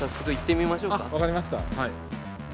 分かりました。